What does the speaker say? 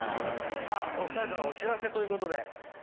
さあお二人からお知らせということで。